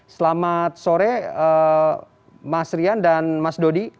selamat sore mas rian dan mas dodi